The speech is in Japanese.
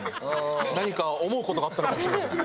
何か思う事があったのかもしれない。